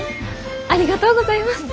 ありがとうございます！